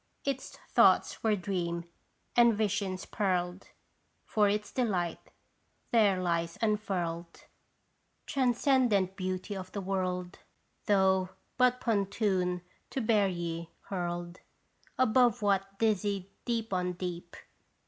Its thoughts are dream and vision pearled, For its delight there lies unfurled (Stations bisitation. 199 Transcendent beauty of the world, Though but pontoon to bear ye, hurled Above what dizzy deep on deep